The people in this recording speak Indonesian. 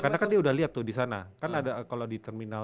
karena kan dia udah lihat tuh disana kan ada kalau di terminal